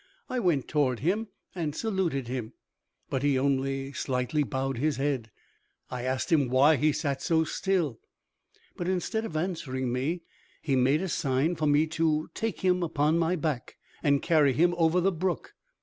I went toward him and saluted him, but he only slightly bowed his head. I asked him why he sat so still; but instead of answering me, he made a sign for me to take him upon my back, and carry him over the brook.